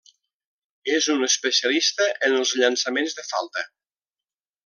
És un especialista en els llançaments de falta.